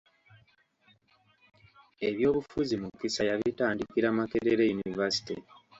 Ebyobufuzi Mukisa yabitandikira Makerere yunivaasite.